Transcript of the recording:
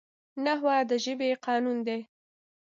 نحوه د ژبي قانون دئ.